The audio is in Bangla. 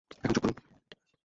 এখন চুপ করুন।